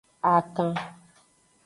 Akan.